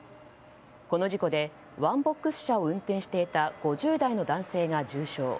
この事故でワンボックス車を運転していた５０代の男性が重傷。